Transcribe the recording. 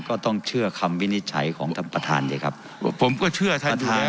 ก็ต้องเชื่อคำวินิจฉัยของท่านประธานสิครับผมก็เชื่อท่านประธาน